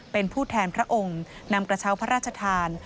เป็นผู้แทนพระองค์นำกระเช้าพระราชทาน